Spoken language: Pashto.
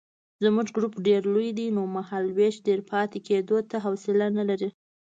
زموږ ګروپ ډېر لوی دی نو مهالوېش ډېر پاتې کېدو ته حوصله نه لري.